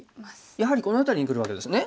やはりこの辺りにくるわけですね。